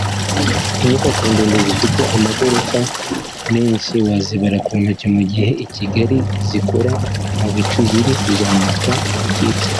inyubako ndende zifite amagorofa menshi wazibara ku ntoki mu gihe i Kigali izikora mu bicu ziri kuzamuka ubutitsa